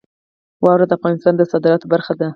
واوره د افغانستان د صادراتو برخه ده.